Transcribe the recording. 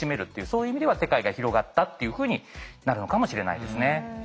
そういう意味では世界が広がったっていうふうになるのかもしれないですね。